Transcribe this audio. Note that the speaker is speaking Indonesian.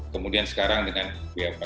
kemudian sekarang dengan b empat b lima